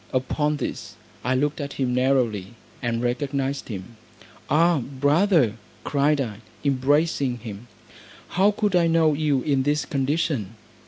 Upon this I looked at him narrowly, and recognised him: "Ah, brother," cried I, embracing him, "how could I know you in this condition?"